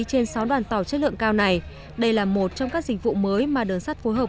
trên sáu đoàn tàu chất lượng cao này đây là một trong các dịch vụ mới mà đường sắt phối hợp